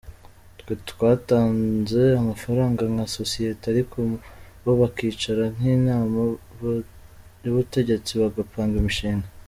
Twe twatanze amafaranga nka sosiyete ariko bo bakicara nk’inama y’ubutegetsi bagapanga imishinga.